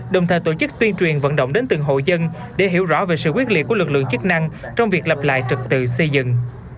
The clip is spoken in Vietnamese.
đồng thời tổ chức tuyên truyền vận động đến từng hộ dân để hiểu rõ về sự quyết liệt của lực lượng chức năng trong việc lập lại trật tự xây dựng